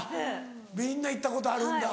みんな行ったことあるんだ。